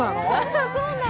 そうなの？